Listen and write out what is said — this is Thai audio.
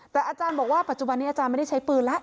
แต่อาจารย์บอกว่าปัจจุบันนี้อาจารย์ไม่ได้ใช้ปืนแล้ว